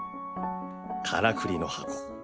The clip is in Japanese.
からくりの箱。